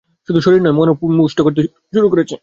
শুধু শরীর নয়-মূনও নুষ্ট হতে শুরু করেছে।